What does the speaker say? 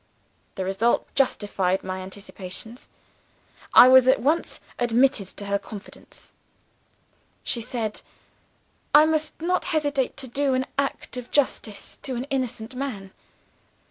The result justified my anticipations. I was at once admitted to her confidence. "She said, 'I must not hesitate to do an act of justice to an innocent man.